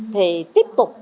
thì tiếp tục